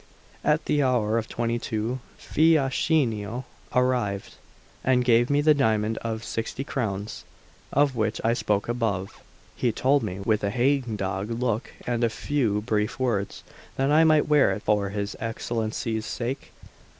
At the hour of twenty two Fiaschino arrived, and gave me the diamond of sixty crowns, of which I spoke above. He told me, with a hang dog look and a few brief words, that I might wear it for his Excellency's sake.